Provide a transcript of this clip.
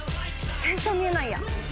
全然見えないや。